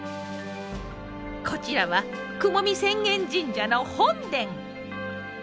こちらは雲見浅間神社の本殿。